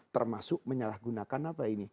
termasuk menyalahgunakan apa ini